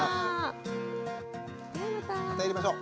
またやりましょう！